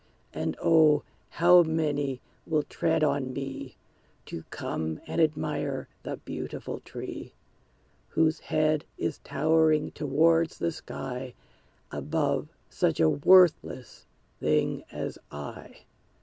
And O, how many will tread on me, To come and admire the beautiful tree, Whose head is towering towards the sky, Above such a worthless thing as I!